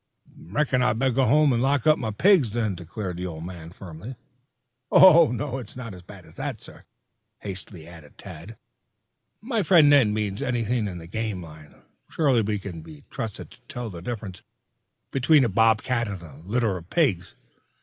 "Beckon I'll go home and lock up my pigs, then," declared the old man firmly. "Oh, it's not as bad as that, sir," hastily added Tad. "My friend, Ned, means anything in the game line. Surely we can be trusted to tell the difference between a bob cat and a litter of pigs.